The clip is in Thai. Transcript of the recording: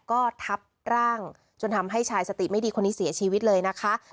ก็ทับร่างจนทำให้ชายสติไม่ดีคนนี้เสียชีวิตเลยนะคะ